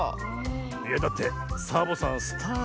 いやだってサボさんスターだぜ。